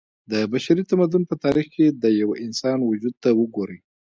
د بشري تمدن په تاريخ کې د يوه انسان وجود ته وګورئ